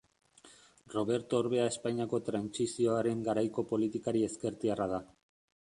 Roberto Orbea Espainiako trantsizioaren garaiko politikari ezkertiarra da.